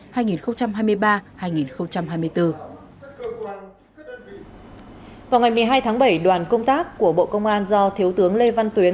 vào ngày hai tháng bảy đoàn công tác của bộ công an do thiếu tướng lê văn tuyến